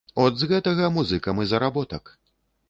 От з гэтага музыкам і заработак.